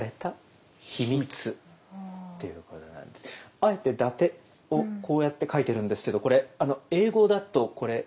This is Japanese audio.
あえて「伊達」をこうやって書いてるんですけどこれ英語だとこれ。